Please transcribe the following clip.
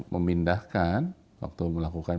memindahkan waktu melakukan